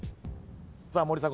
さあ森迫さん。